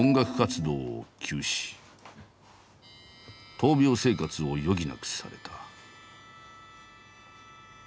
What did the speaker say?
闘病生活を余儀なくされた。